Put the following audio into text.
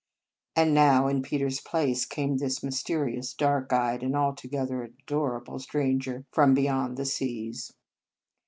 And now, in Peter s place, came this mysterious, dark eyed, and alto gether adorable stranger from beyond the seas.